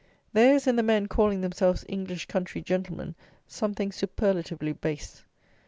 There is in the men calling themselves "English country gentlemen" something superlatively base.